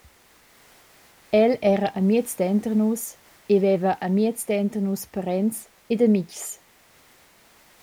El era amiez denter nus e veva amiez denter nus parents ed amitgs.